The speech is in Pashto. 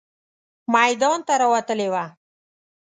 میدان ته راوتلې وه.